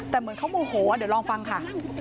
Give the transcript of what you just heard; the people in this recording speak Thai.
แต่เหมือนเขาโมโหเดี๋ยวลองฟังค่ะ